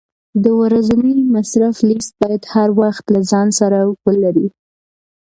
د ورځني مصرف لیست باید هر وخت له ځان سره ولرې.